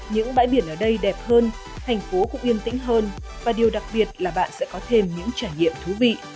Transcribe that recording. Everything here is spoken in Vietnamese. những bãi biển ở đây đẹp hơn thành phố cũng yên tĩnh hơn và điều đặc biệt là bạn sẽ có thêm những trải nghiệm thú vị